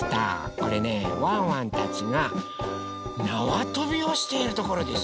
これねワンワンたちがなわとびをしているところです！